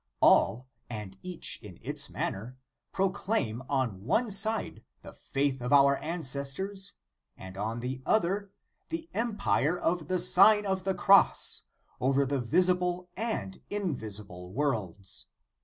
All, and each in its manner, proclaim on one side the faith of our ancestors, and on the other, the empire of the Sign of the Cross over the visible and invisible worlds.